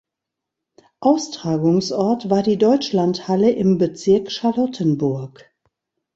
Austragungsort war die Deutschlandhalle im Bezirk Charlottenburg.